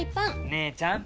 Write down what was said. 姉ちゃん！